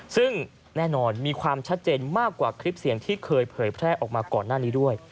ซึ่งแน่นอนมีความชัดเจนมากกว่าคลิปเสียงที่เคยเผยแพร่ออกมาก่อนหน้านี้ด้วย